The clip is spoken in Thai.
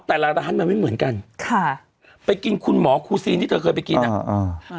แต่ละร้านมันไม่เหมือนกันค่ะไปกินคุณหมอคูซีนที่เธอเคยไปกินอ่ะอ่า